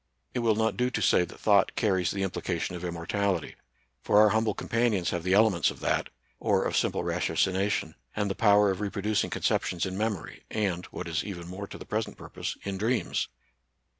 It will not do to say that thought carries the implication of immortality. For our humble companions have the elements of that, or of simple ratiocina tion, and the power of reproducing conceptions in memory, and — what is even more to the present purpose — in dreams.